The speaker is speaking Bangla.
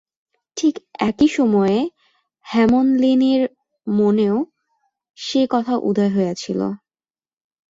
ঠিক একই সময়ে হেমনলিনীর মনেও সে কথা উদয় হইয়াছিল।